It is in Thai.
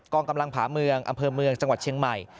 องกำลังผาเมืองอำเภอเมืองจังหวัดเชียงใหม่